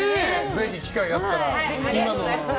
ぜひ機会があったらね。